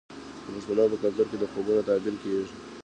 د پښتنو په کلتور کې د خوبونو تعبیر کیږي.